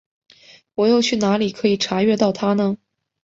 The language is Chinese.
我又去哪里可以查阅到它呢？